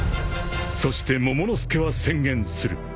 ［そしてモモの助は宣言する］